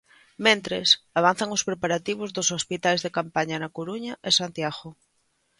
Mentres, avanzan os preparativos dos hospitais de campaña na Coruña e Santiago.